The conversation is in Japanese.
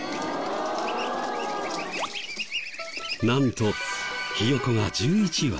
なんとひよこが１１羽。